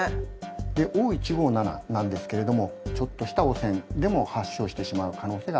Ｏ１５７なんですけれどもちょっとした汚染でも発症してしまう可能性があると。